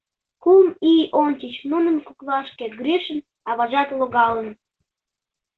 Кум ий ончыч нунын коклашке Гришын аважат логалын.